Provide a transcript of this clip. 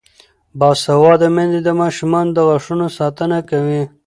باسواده میندې د ماشومانو د غاښونو ساتنه کوي.